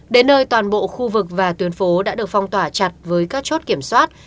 đến nơi toàn bộ khu vực và tuyến phố đã được phong tỏa chặt với các chốt kiểm soát